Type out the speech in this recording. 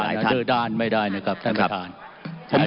ท่านประชาชนิดเดินไม่ได้นะครับท่านประชาชนิดเดิน